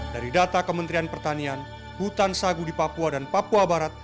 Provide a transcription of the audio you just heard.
dari data kementerian pertanian hutan sagu di papua dan papua barat